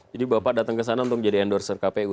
jadi bapak datang ke sana untuk menjadi endorser kpu